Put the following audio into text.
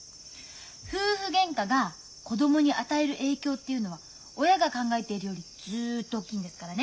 夫婦げんかが子供に与える影響っていうのは親が考えているよりずっと大きいんですからね。